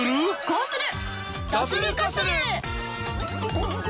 こうする！